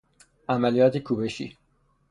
عملیات کوبشی